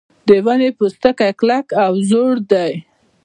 د ونې پوستکی کلک او زوړ دی.